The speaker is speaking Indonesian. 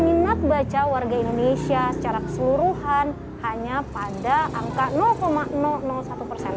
minat baca warga indonesia secara keseluruhan hanya pada angka satu persen